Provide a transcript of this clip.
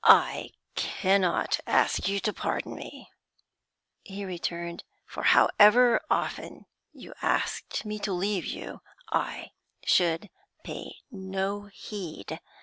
'I cannot ask you to pardon me,' he returned, 'for however often you asked me to leave you, I should pay no heed.